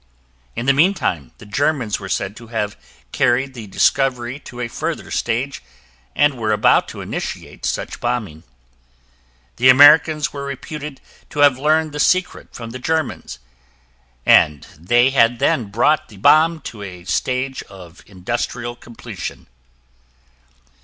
In the meantime, the Germans were said to have carried the discovery to a further stage and were about to initiate such bombing. The Americans were reputed to have learned the secret from the Germans, and they had then brought the bomb to a stage of industrial completion.